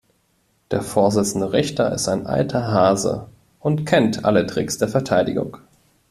Der Vorsitzende Richter ist ein alter Hase und kennt alle Tricks der Verteidigung.